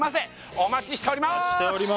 お待ちしております